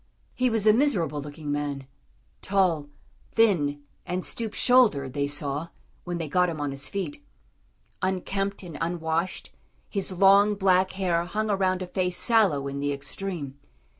He was a miserable looking man tall, thin, and stoop shouldered they saw, when they got him on his feet. Unkempt and unwashed, his long, black hair hung around a face sallow in the extreme.